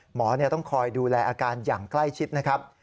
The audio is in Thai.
หมอต้องคอยดูแลอาการอย่างใกล้ชิดนะครับ